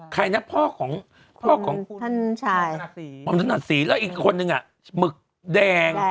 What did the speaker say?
ใครนะพ่อของพ่อของคุณชายหม่อมถนัดศรีแล้วอีกคนนึงหมึกแดง